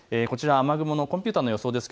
雨雲のコンピューターの予想です。